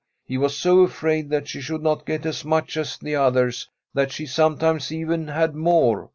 He was so afraid that she should not get as much as the others that she sometimes even had more.